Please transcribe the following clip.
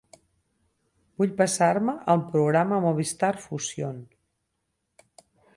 Vull passar-me al programa Movistar Fusión.